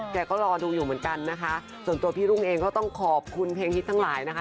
แกก็รอดูอยู่เหมือนกันนะคะส่วนตัวพี่รุ่งเองก็ต้องขอบคุณเพลงฮิตทั้งหลายนะคะ